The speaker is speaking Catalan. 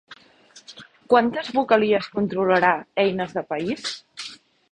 Quantes vocalies controlarà Eines de País?